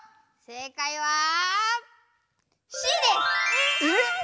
正解はえ？